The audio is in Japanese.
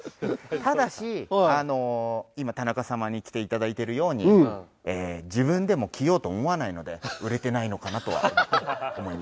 ただし今田中様に着て頂いてるように自分でも着ようと思わないので売れてないのかなとは思います。